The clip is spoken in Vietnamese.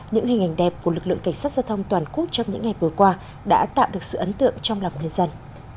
những hình ảnh đẹp của lực lượng cảnh sát giao thông toàn quốc trong những ngày vừa qua đã tạo được sự ấn tượng trong lòng nhân dân